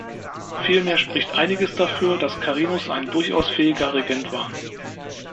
Vielmehr spricht einiges dafür, dass Carinus ein durchaus fähiger Regent war.